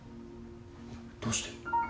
どうして？